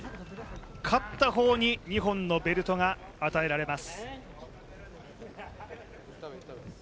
勝った方に２本のベルトが与えられます。